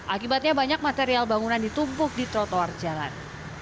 akibatnya banyak material bangunan ditumpuk di trotoar jalan